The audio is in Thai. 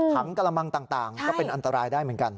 กระมังต่างก็เป็นอันตรายได้เหมือนกัน